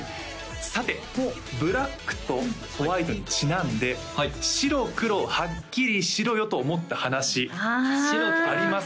さてブラックとホワイトにちなんで白黒はっきりしろよと思った話あります？